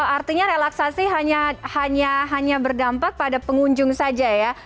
artinya relaksasi hanya berdampak pada pengunjung saja ya